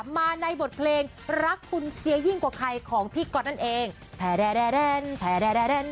มาในบทเพลงรักคุณเสียยิ่งกว่าใครของพี่ก๊อตนั่นเอง